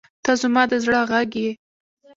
• ته زما د زړه غږ یې.